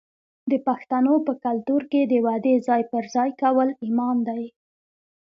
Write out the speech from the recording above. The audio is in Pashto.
د پښتنو په کلتور کې د وعدې ځای پر ځای کول ایمان دی.